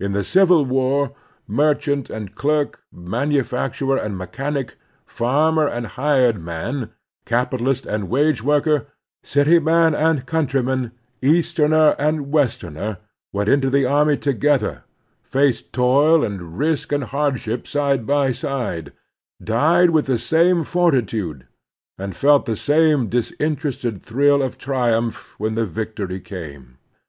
In the Civil War, merchant and clerk, manufacturer and mechanic, farmer and hired man, capitalist and wage worker, city man and countryman, Easterner and Westerner, went into the army together, faced toil and risk and hardship side by side, died with the same forti tude, and felt the same disinterested thrill of triumph when the victory came.